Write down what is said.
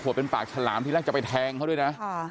เป็นปากฉลามที่แรกจะไปแทงเขาด้วยนะ